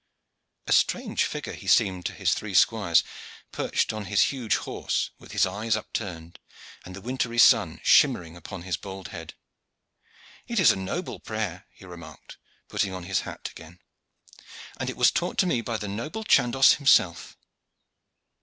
A strange figure he seemed to his three squires, perched on his huge horse, with his eyes upturned and the wintry sun shimmering upon his bald head. "It is a noble prayer," he remarked, putting on his hat again, "and it was taught to me by the noble Chandos himself.